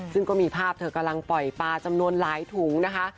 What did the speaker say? ซึ่งก็มีภาพเธอกำลังปล่อยปลาจำนวนหลายถุงนะคะ